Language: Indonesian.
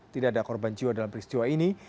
tidak ada korban jiwa dalam peristiwa ini